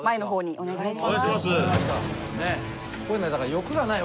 お願いします！